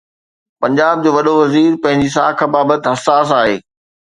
پنجاب جو وڏو وزير پنهنجي ساک بابت حساس آهي.